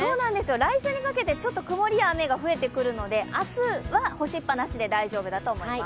来週にかけて曇りや雨が増えてくるので、明日は干しっぱなしで大丈夫だと思います。